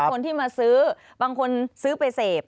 คนที่มาซื้อบางคนซื้อไปเสพ